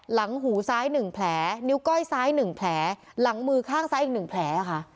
หลังหูซ้าย๑แผลนิ้วก้อยซ้าย๑แผลหลังมือข้างซ้ายอีก๑แผลค่ะ